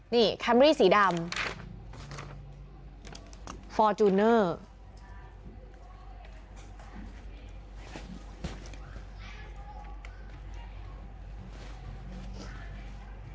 นี่แคมรี่สีดำฟอร์จูเนอร์